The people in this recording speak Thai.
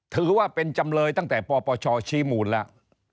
ถือว่าเป็นจำเลยตั้งแต่ปปชชี้มูลแล้ว